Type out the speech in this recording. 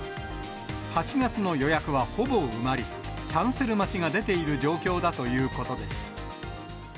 ８月の予約はほぼ埋まり、キャンセル待ちが出ている状況だということです。